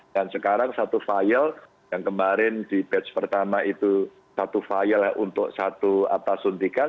dan sekarang satu file yang kemarin di batch pertama itu satu file untuk satu atas suntikan